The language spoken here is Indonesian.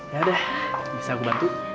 ya udah bisa aku bantu